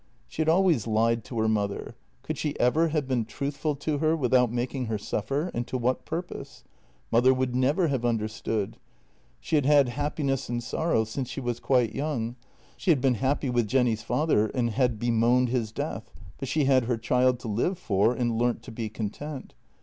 She had always lied to her mother — could she ever have been truthful to her without making her suffer, and to what purpose? Mother would never have understood. She had had happiness and sorrow since she was quite young; she had been happy with Jenny's father and had bemoaned his death, but she had her child to live for, and learnt to be content.